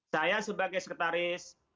saya sebagai sekretaris